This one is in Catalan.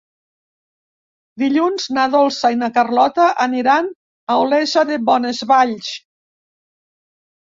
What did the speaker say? Dilluns na Dolça i na Carlota aniran a Olesa de Bonesvalls.